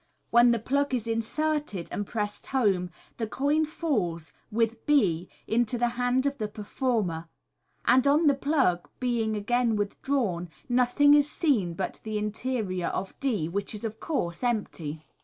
When the plug is inserted, and pressed home, the coin falls, with b, into the hand of the performer j and on the plug being again withdrawn, nothing is seen but the interior of dt which is of course empty.